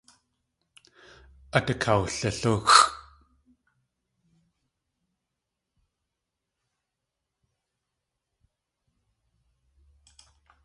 Át akawlilúxʼ.